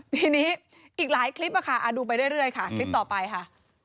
ทีนี้อีกหลายคลิปค่ะดูไปเรื่อยค่ะคลิปต่อไปค่ะ